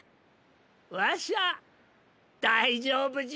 わしゃだいじょうぶじゃ！